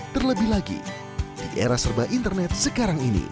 terlebih lagi di era serba internet sekarang ini